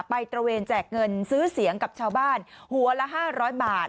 ตระเวนแจกเงินซื้อเสียงกับชาวบ้านหัวละ๕๐๐บาท